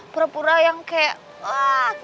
pura pura yang kaya wahh